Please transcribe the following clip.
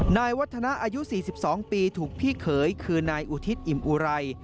นายวัฒนาอายุ๔๒ปีถูกพี่เขยคือนายอุทิศอิ่มอุไร